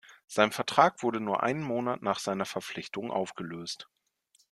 Sein Vertrag wurde nur einen Monat nach seiner Verpflichtung aufgelöst.